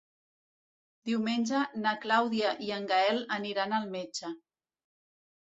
Diumenge na Clàudia i en Gaël aniran al metge.